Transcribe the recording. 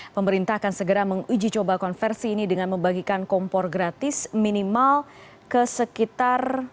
pemerintah akan segera menguji coba konversi ini dengan membagikan kompor gratis minimal ke sekitar